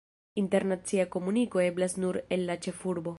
Internacia komuniko eblas nur el la ĉefurbo.